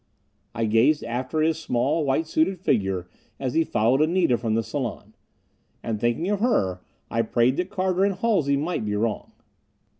I gazed after his small, white suited figure as he followed Anita from the salon. And thinking of her, I prayed that Carter and Halsey might be wrong.